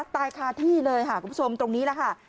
ตายคาที่เลยค่ะคุณผู้ชมตรงนี้แหละค่ะ